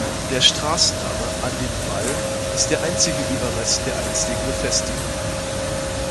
Der Straßenname "An dem Wall" ist der einzige Überrest der einstigen Befestigung.